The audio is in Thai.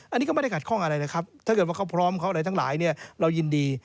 อันนี้ก็ไม่ได้ขัดข้องอะไรนะครับถ้าเกิดว่าเขาพร้อมเขาอะไรทั้งหลายเนี่ยเรายินดี